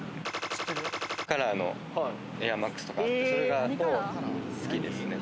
カラーのエアマックスとかが好きですね。